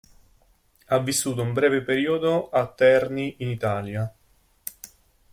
Ha vissuto un breve periodo a Terni in Italia.